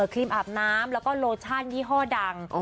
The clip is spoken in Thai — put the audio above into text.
ครีมอาบน้ำแล้วก็โลชั่นยี่ห้อดัง